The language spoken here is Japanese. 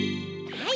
はい！